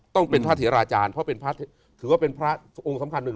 ต้องเป็นพระเถราจารย์เพราะเป็นพระถือว่าเป็นพระองค์สำคัญหนึ่ง